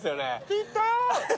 きた！